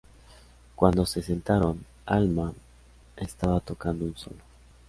Cuando se sentaron, Allman estaba tocando un solo.